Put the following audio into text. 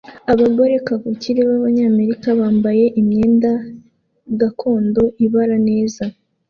Abagore kavukire b'Abanyamerika bambaye imyenda gakondo ibara neza